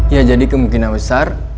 ya jadi kemungkinan besar